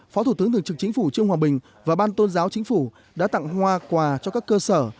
phó thủ tướng thường trực chính phủ trương hòa bình và ban tôn giáo chính phủ đã tặng hoa quà cho các cơ sở